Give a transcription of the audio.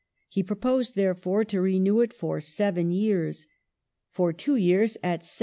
He proposed, therefore, to renew it for seven years — for two years at 7d.